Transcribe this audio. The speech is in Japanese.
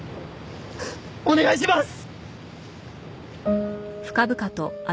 お願いします！